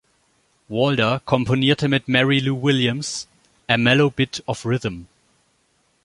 Walder komponierte mit Mary Lou Williams "A Mellow Bit of Rhythm".